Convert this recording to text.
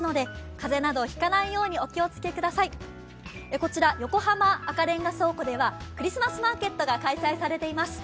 こちら横浜赤レンガ倉庫ではクリスマスマーケットが開催されています。